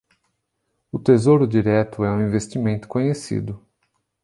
O Tesouro Direto é um investimento conhecido